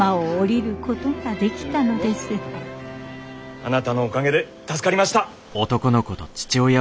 あなたのおかげで助かりました。